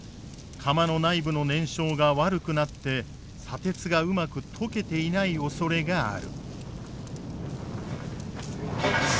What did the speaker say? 釜の内部の燃焼が悪くなって砂鉄がうまく溶けていないおそれがある。